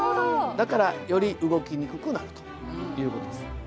だからより動きにくくなるという事です。